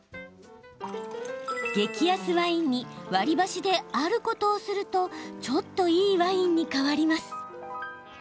激安ワインに割り箸であることをするとちょっといいワインに変わります。